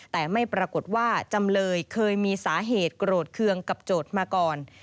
แต่ไม่ปรากฏว่าจำเลยเคยมีสาเหตุโกรธเคืองกับโจทย์มาก่อน